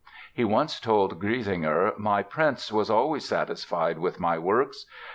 He once told Griesinger: "My prince was always satisfied with my works.